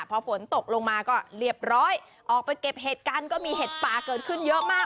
พอฝนตกลงมาก็เรียบร้อยออกไปเก็บเหตุการณ์ก็มีเห็ดป่าเกิดขึ้นเยอะมาก